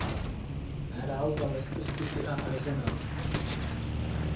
Hrál za Leicester City a Arsenal.